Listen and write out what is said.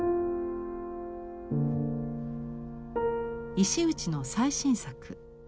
石内の最新作。